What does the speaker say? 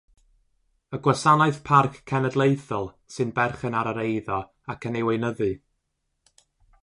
Y Gwasanaeth Parc Cenedlaethol sy'n berchen ar yr eiddo ac yn ei weinyddu.